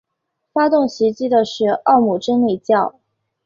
发动袭击的是奥姆真理教。